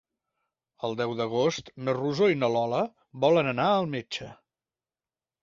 El deu d'agost na Rosó i na Lola volen anar al metge.